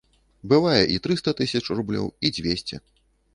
Бывае і трыста тысяч рублёў, і дзвесце!